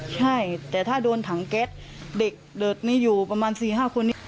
ใช่แต่ถ้าโดนถังแก๊สเด็กนี้อยู่ประมาณ๔๕คนนี้